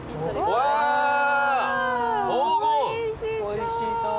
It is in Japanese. おいしそう。